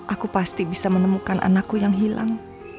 aku pasti bisa menemukan anakku yang hilang